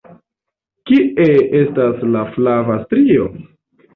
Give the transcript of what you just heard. Kie estas la flava strio?